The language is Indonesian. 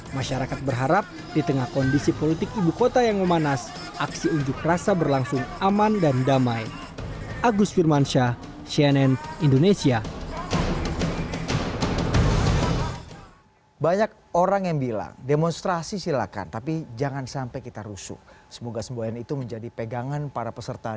masalahnya seperti ahok sudah diperiksa